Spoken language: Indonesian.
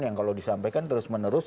yang kalau disampaikan terus menerus